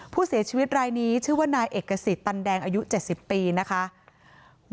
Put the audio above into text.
ผู้เสียชีวิตรายนี้ชื่อว่านายเอกสิทธิ์ตันแดงอายุ๗๐ปีนะคะ